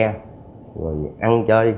rồi ăn chơi